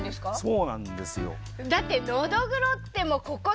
そうなんですよ。